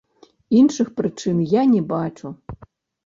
Іншых прычын я не бачу.